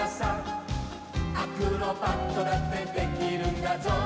「アクロバットだってできるんだぞ」